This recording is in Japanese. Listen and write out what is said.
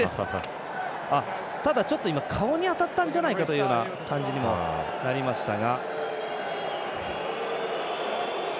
ちょっと顔に当たったんじゃないかという感じにもなりましたが。